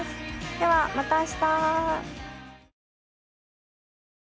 ではまた明日。